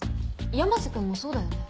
山瀬君もそうだよね？